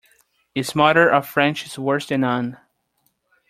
A smatter of French is worse than none.